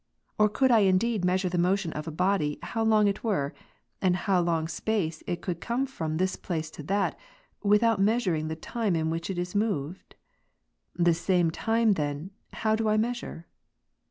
Or could I indeed measure the motion of a body how long it were, and in how long space it could come from this place to that, without measuring the time in which it is moved ? This same time then, how do I measure